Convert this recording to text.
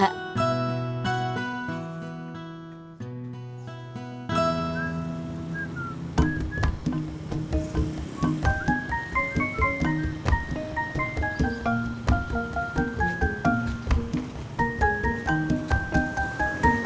eh tati mau belanja juga